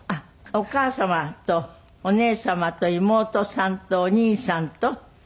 お母様とお姉様と妹さんとお兄さんと。